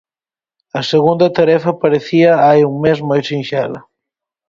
A segunda tarefa parecía hai un mes moi sinxela.